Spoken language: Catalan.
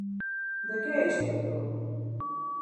De què és patró?